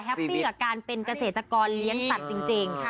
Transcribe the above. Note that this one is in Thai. ปี้กับการเป็นเกษตรกรเลี้ยงสัตว์จริง